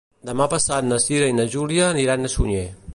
Demà passat na Cira i na Júlia aniran a Sunyer.